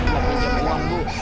bukan pinjam uang mbah